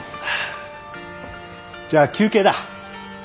じゃあ休憩だ。